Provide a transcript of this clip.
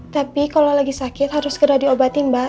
tapi kalo lagi sakit harus gerah diobatin mbak